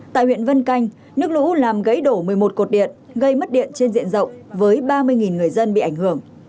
tại huyện vân canh nước lũ làm gãy đổ một mươi một cột điện gây mất điện trên diện rộng với ba mươi người dân bị ảnh hưởng